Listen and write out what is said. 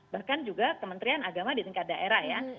bahkan juga kementerian agama di tingkat daerah ya